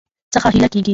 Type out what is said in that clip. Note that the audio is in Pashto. څخه هيله کيږي